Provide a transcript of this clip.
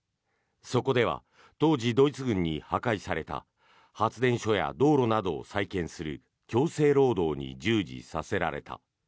そこでは当時、ドイツ軍に破壊された発電所や道路などを再建する強制労働に従事させられた。